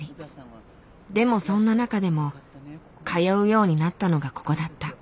でもそんな中でも通うようになったのがここだった。